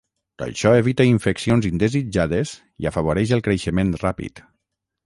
Això evita infeccions indesitjades i afavoreix el creixement ràpid.